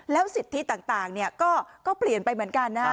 แล้วสิทธิต่างต่างเนี้ยก็ก็เปลี่ยนไปเหมือนกันนะ